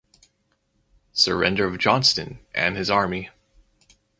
Surrender of Johnston and his army.